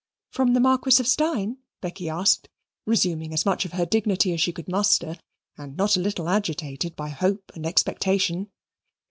"From the Marquis of Steyne?" Becky asked, resuming as much of her dignity as she could muster, and not a little agitated by hope and expectation.